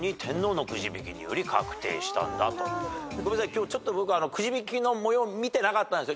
今日僕くじ引きの模様見てなかったんです。